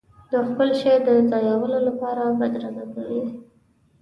د خپل شي د ځایولو لپاره بدرګه کوي.